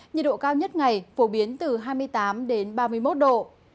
nhiệt độ cao nhất ngày phổ biến từ hai mươi tám đến ba mươi một độ